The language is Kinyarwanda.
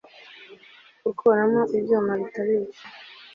gukuramo ibyuma bitabica